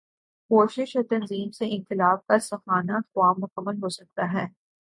کوشش اور تنظیم سے انقلاب کا سہانا خواب مکمل ہو سکتا ہے۔